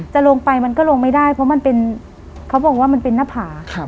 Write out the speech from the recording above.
จะลงไปมันก็ลงไม่ได้เพราะมันเป็นเขาบอกว่ามันเป็นหน้าผา